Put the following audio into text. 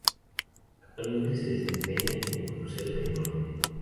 Actualmente se desempeña en Crucero del Norte.